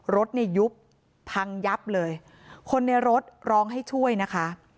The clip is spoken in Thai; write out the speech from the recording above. รถเนี่ยยุบพังยับเลยคนในรถร้องให้ช่วยนะคะ